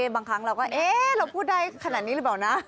บางครั้งเราก็เอ๊ะเราพูดได้ขนาดนี้หรือเปล่านะ